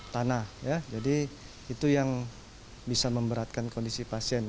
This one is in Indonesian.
tanah ya jadi itu yang bisa memberatkan kondisi pasien